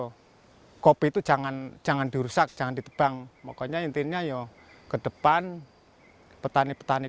hai kopi itu jangan jangan diuruskan jangan ditebang pokoknya intinya yo ke depan petani petani